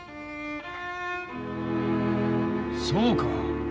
そうか。